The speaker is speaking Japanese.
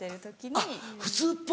あっ普通っぽく。